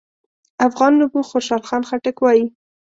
افغان نبوغ خوشحال خان خټک وايي: